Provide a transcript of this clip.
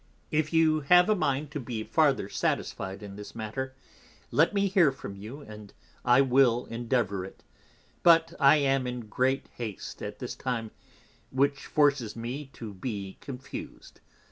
If you have a mind to be farther satisfied in this Matter, let me hear from you, and I will endeavour it: But I am in great hast at this time, which forces me to be confus'd.